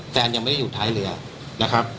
ยังไม่ได้อยู่ท้ายเรือนะครับ